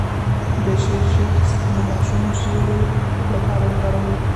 د شیرخشت د ماشوم د ژیړي لپاره وکاروئ